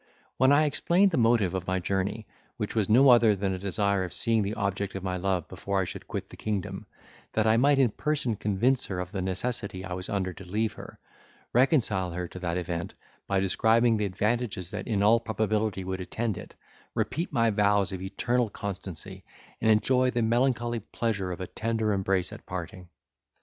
When I explained the motive of my journey, which was no other than a desire of seeing the object of my love before I should quit the kingdom, that I might in person convince her of the necessity I was under to leave her, reconcile her to that event, by describing the advantages that in all probability would attend it, repeat my vows of eternal constancy, and enjoy the melancholy pleasure of a tender embrace at parting.